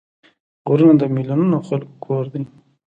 غرونه د میلیونونو خلکو کور دی